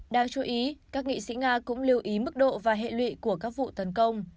đáng chú ý các nghị sĩ nga cũng lưu ý mức độ và hệ lụy của các vụ tấn công